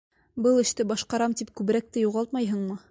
Был эште башҡарам тип күберәкте юғалтмайһыңмы?